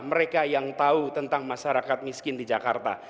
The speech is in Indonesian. mereka yang tahu tentang masyarakat miskin di jakarta